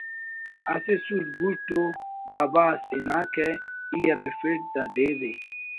اسہ suit boot ءُ بابا اس ہِناکہ ای ارفیٹ دا دیر ءِ